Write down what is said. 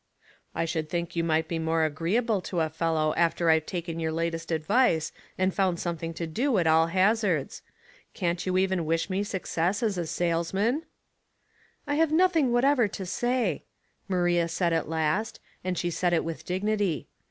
"I should think you misrht be moie ajxreeable to a fellow after I've taken your latest advice and found something to do at all hazards. Can't you even wish me suc cess as salesman ?"*' I have nothing whatever to say," Maria said at last, and she said it with dignity.